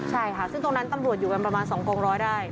ใช่ค่ะซึ่งตรงนั้นตำรวจอยู่กันประมาณ๒กองร้อยได้